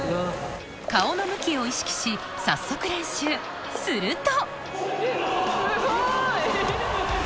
顔の向きを意識し早速練習すると！